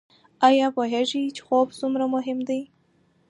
ایا پوهیږئ چې خوب څومره مهم دی؟